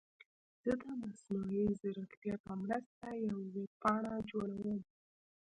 زه د مصنوعي ځیرکتیا په مرسته یوه ویب پاڼه جوړوم.